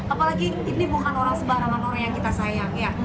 apalagi ini bukan orang sebarangan orang yang kita sayang